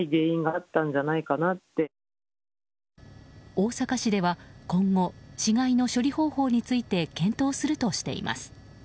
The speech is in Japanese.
大阪市では今後死がいの処理方法について検討するとしています。